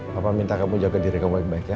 pak pak minta kamu jaga diri kamu baik baik ya